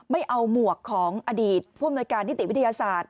ไม่เอาหมวกของอดีตผู้อำนวยการนิติวิทยาศาสตร์